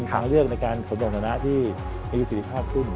คางเรื่องในการพนักบริษฐานาที่มีสิทธิภาพขึ้น